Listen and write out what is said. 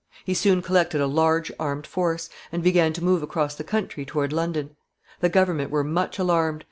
He soon collected a large armed force, and began to move across the country toward London. The government were much alarmed.